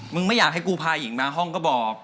ไม่อยากให้กูพาหญิงมาห้องก็บอก